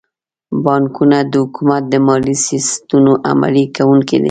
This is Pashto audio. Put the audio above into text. بانکونه د حکومت د مالي سیاستونو عملي کوونکي دي.